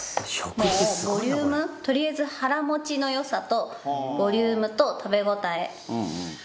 もうボリュームとりあえず腹持ちの良さとボリュームと食べ応え。